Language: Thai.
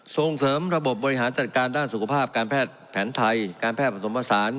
ส่งเสริมระบบบริหารจัดการด้านสุขภาพแผนไทยการแผนปศมภาษา